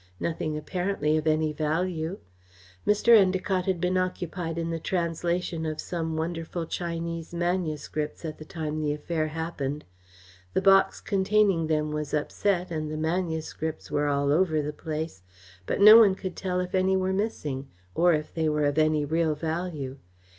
Nothing apparently of any value. Mr. Endacott had been occupied in the translation of some wonderful Chinese manuscripts at the time the affair happened. The box containing them was upset and the manuscripts were all over the place, but no one could tell if any were missing, or if they were of any real value.